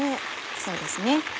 そうですね。